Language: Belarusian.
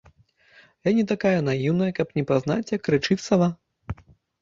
Я не такая наіўная, каб не пазнаць, як крычыць сава.